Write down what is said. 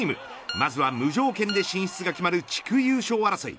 まずは無条件で進出が決まる地区優勝争い。